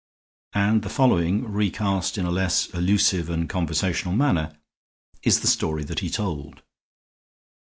And the following, recast in a less allusive and conversational manner, is the story that he told.